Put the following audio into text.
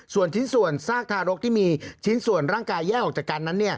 ส่วนชิ้นส่วนซากทารกที่มีชิ้นส่วนร่างกายแยกออกจากกันนั้น